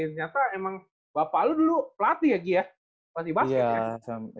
ternyata emang bapak lo dulu pelatih ya gi ya pelatih basket ya